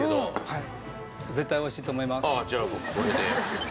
はい。